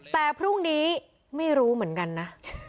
แต่พรุ่งนี้ไม่รู้เหมือนกันนะ